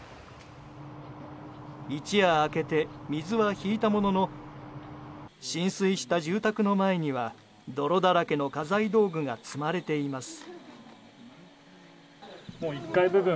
一夜明けて水は引いたものの浸水した住宅の前には泥だらけの家財道具が積まれています。